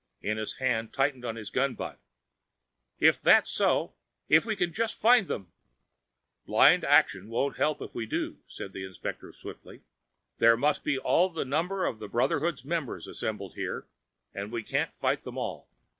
Ennis' hand tightened on his gun butt. "If that's so if we can just find them " "Blind action won't help if we do," said the inspector swiftly. "There must be all the number of the Brotherhood's members assembled here, and we can't fight them all."